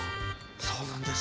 そうなんです。